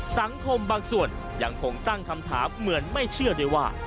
สังคมบางส่วนยังคงตั้งคำถามเหมือนไม่เชื่อได้ว่า